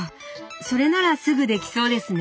それならすぐできそうですね。